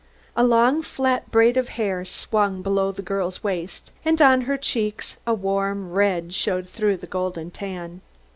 A long flat braid of fair hair swung below the girl's waist and on her cheeks a warm red showed through the golden tan.